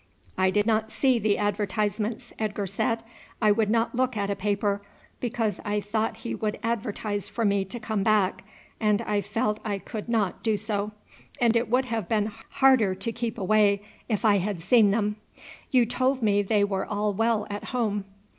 "I did not see the advertisements," Edgar said. "I would not look at a paper, because I thought he would advertise for me to come back, and I felt I could not do so, and it would have been harder to keep away if I had seen them. You told me they were all well at home."